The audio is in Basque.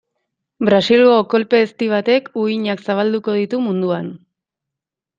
Brasilgo kolpe ezti batek uhinak zabalduko ditu munduan.